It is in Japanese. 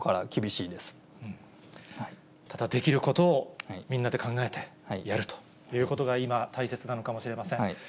ただ、できることをみんなで考えてやるということが、今、大切なのかもしれません。